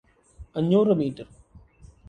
അഞ്ഞൂറ് മീറ്റർ